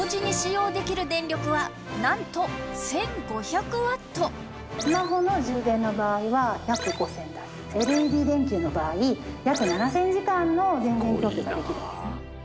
なんとスマホの充電の場合は約５０００台ＬＥＤ電球の場合約７０００時間の電源供給ができるんです